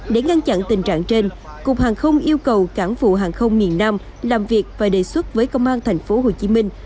để ngăn chặn tình trạng trên cục hàng không yêu cầu cảng vụ hàng không miền nam làm việc và đề xuất với công an thành phố hồ chí minh